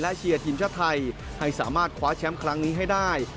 เชียร์ทีมชาติไทยให้สามารถคว้าแชมป์ครั้งนี้ให้ได้